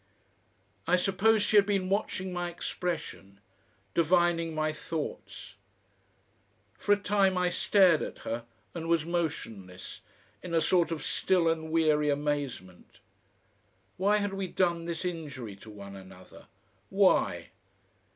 I suppose she had been watching my expression, divining my thoughts. For a time I stared at her and was motionless, in a sort of still and weary amazement. Why had we done this injury to one another? WHY?